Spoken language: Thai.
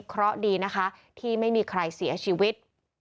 เพราะดีนะคะที่ไม่มีใครเสียชีวิต